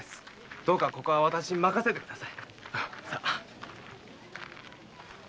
どうかここは私に任せてください。